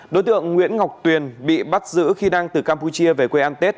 đối tượng nguyễn ngọc tuyền bị bắt giữ khi đang từ campuchia về quê ăn tết